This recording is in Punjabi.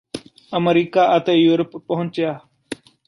ਅਮਰੀਕਾ ਅਤੇ ਯੂਰਪ ਪਹੁੰਚਿਆ